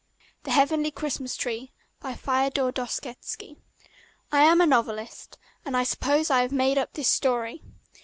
THE HEAVENLY CHRISTMAS TREE I am a novelist, and I suppose I have made up this story.